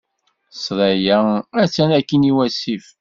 Ssṛaya attan akkin iwasif.